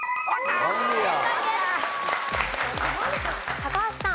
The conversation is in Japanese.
高橋さん。